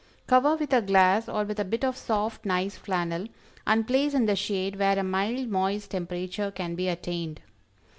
Cover with a glass, or with a bit of soft nice flannel, and place in the shade where a mild moist temperature can be attained.